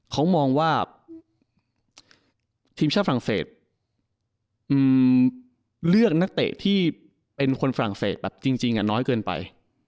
เขามองว่าทีมชาติฝรั่งเศสเลือกนักเตะที่เป็นคนฝรั่งเศสแบบจริงน้อยเกินไป